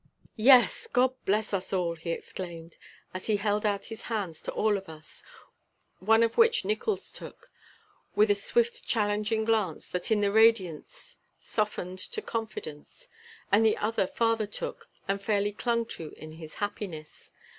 "Yes, God bless us all!" he exclaimed, as he held out his hands to all of us, one of which Nickols took, with a swift challenging glance that in the radiance softened to confidence, and the other father took and fairly clung to in his happiness.